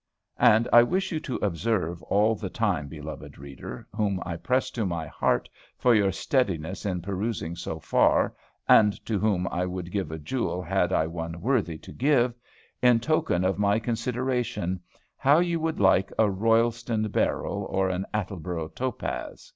And I wish you to observe, all the time, beloved reader, whom I press to my heart for your steadiness in perusing so far, and to whom I would give a jewel had I one worthy to give, in token of my consideration (how you would like a Royalston beryl or an Attleboro topaz).